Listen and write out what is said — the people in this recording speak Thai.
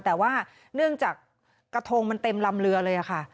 แต่ว่าเนื่องจากกระทงมันเต็มลำเรือเลยค่ะ